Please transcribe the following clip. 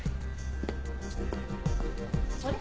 あれ？